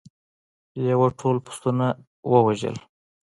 لیوه ټول پسونه وواژه.